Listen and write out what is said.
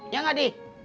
ya gak di